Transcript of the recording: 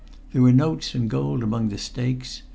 There were notes and gold among the stakes.